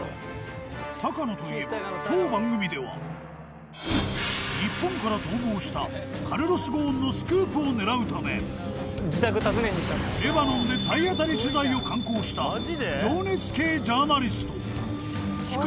高野といえば当番組では日本から逃亡したカルロス・ゴーンのスクープを狙うためレバノンで体当たり取材を敢行した情熱系ジャーナリスト。